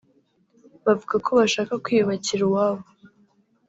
bavuga ko bashaka kwiyubakira uwabo